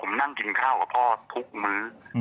ผมนั่งกินข้าวกับพ่อทุกมื้อ